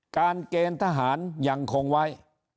เกณฑ์ทหารยังคงไว้